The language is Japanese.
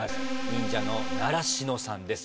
忍者の習志野さんです